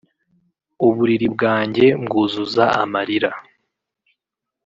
uburiri bwanjye mbwuzuza amarira